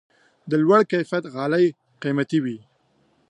د لوړ کیفیت غالۍ قیمتي وي.